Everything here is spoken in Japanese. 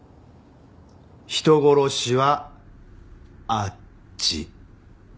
人殺しはあっち。